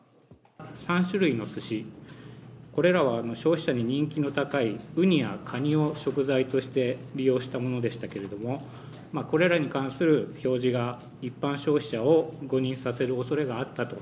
３種類のすし、これらは消費者に人気の高いうにやかにを食材として利用したものでしたけれども、これらに関する表示が一般消費者を誤認させるおそれがあったと。